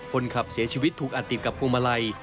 คนขับเสียชีวิตถูกอัดติดกับพวงมาลัย